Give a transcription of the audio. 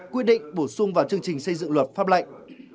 quy định bổ sung vào chương trình xây dựng luật pháp lệnh